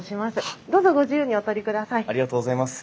ありがとうございます。